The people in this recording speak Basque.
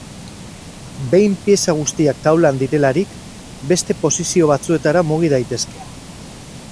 Behin pieza guztiak taulan direlarik, beste posizio batzuetara mugi daitezke.